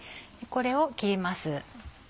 これを切ります。